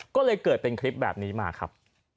ก็เลยเกิดเป็นคลิปแบบนี้มาครับ